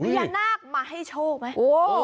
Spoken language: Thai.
พญานาคมาให้โชคไหม